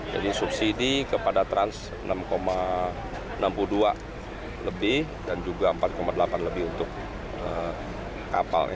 jadi subsidi kepada trans enam enam puluh dua lebih dan juga empat delapan lebih untuk kapal